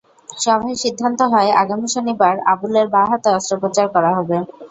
সভায় সিদ্ধান্ত হয়, আগামী শনিবার আবুলের বাঁ হাতে অস্ত্রোপচার করা হবে।